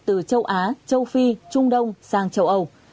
từ châu á châu phi trung đông sang châu âu